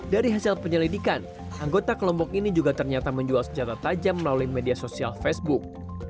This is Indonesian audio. dari hasil penyelidikan anggota kelompok ini juga ternyata menjual senjata tajam melalui media sosial facebook